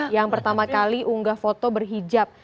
yang pertama kali unggah foto berhijab